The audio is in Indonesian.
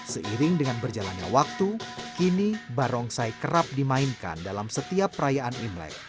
seiring dengan berjalannya waktu kini barongsai kerap dimainkan dalam setiap perayaan imlek